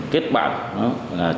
kết bạn trên facebook zalo